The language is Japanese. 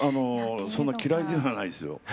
そんな嫌いではないですよ